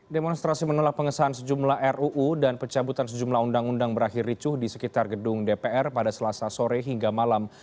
demonstrasi menolak pengesahan sejumlah ruu dan pencabutan sejumlah undang undang berakhir ricuh di sekitar gedung dpr pada selasa sore hingga malam